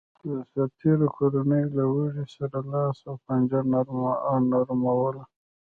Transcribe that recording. د سرتېرو کورنیو له لوږې سره لاس و پنجه نرموله